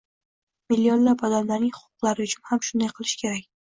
Millionlab odamlarning huquqlari uchun ham shunday qilish kerak.